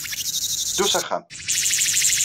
Ddu s axxam!